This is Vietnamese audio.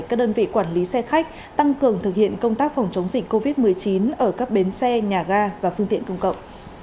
các đơn vị quản lý xe khách tăng cường thực hiện công tác phòng chống dịch covid một mươi chín ở các bến xe nhà ga và phương tiện công cộng